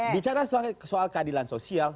bicara soal keadilan sosial